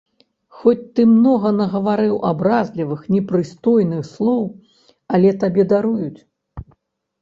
Хоць ты многа нагаварыў абразлівых, непрыстойных слоў, але табе даруюць.